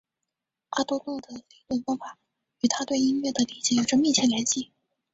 阿多诺的理论方法与他对音乐的理解有着密切联系。